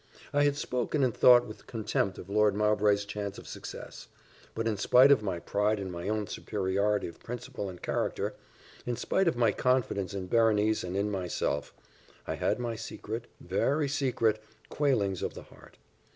I had spoken and thought with contempt of Lord Mowbray's chance of success; but in spite of my pride in my own superiority of principle and character, in spite of my confidence in Berenice and in myself, I had my secret, very secret, quailings of the heart.